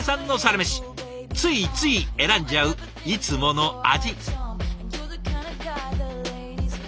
ついつい選んじゃういつもの味。